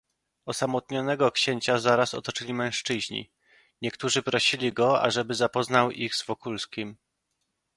"Osamotnionego księcia zaraz otoczyli mężczyźni; niektórzy prosili go, ażeby zapoznał ich z Wokulskim."